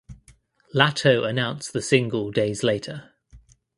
Latto announced the single days later.